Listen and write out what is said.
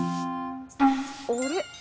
あれ？